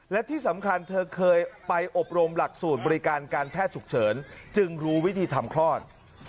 และที่สำคัญเธอเคยไปอบรมหลักสูตรบริการการแพทย์ฉุกเฉินจึงรู้วิธีทำคลอด